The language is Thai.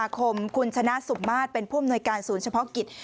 คมคุณชนะสุมาตรเป็นผู้อำนวยการศูนย์เฉพาะกิจ